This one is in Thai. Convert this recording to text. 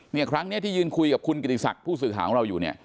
เนี่ยครั้งนี้ที่ยืนคุยกับคุณกิติศักดิ์ผู้สื่อข่าวของเราอยู่เนี่ย